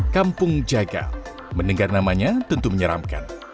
kampung jagal mendengar namanya tentu menyeramkan